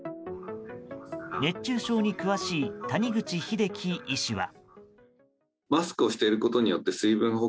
熱中症に詳しい谷口英喜医師は。